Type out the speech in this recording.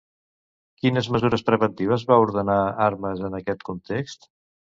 Quines mesures preventives va ordenar Armas en aquest context?